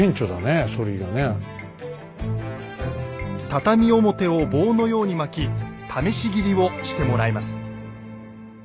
畳表を棒のように巻き試し斬りをしてもらいます。